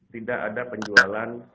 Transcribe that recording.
tidak ada penjualan